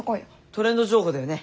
トレンド情報だよね。